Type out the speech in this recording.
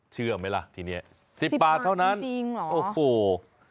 เชื่อไหมล่ะทีนี้๑๐บาทเท่านั้นจริงเหรอโอ้โห